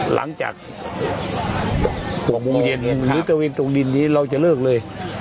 หลังจาก๖โมงเย็นหรือตะเวนตรงดินนี้เราจะเลิกเลย